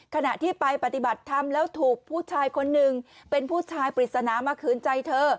ขณะที่ไปปฏิบัติธรรมแล้วถูกผู้ชายคนหนึ่งเป็นผู้ชายปริศนามาขืนใจเธอ